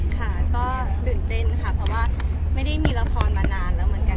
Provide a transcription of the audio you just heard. ค่ะก็ตื่นเต้นค่ะเพราะว่าไม่ได้มีละครมานานแล้วเหมือนกัน